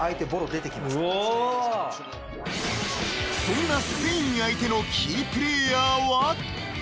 ［そんなスペイン相手のキープレーヤーは？］